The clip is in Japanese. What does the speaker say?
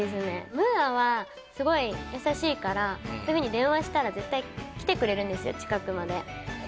ムーアはすごい優しいからそういうふうに電話したら絶対来てくれるんですよ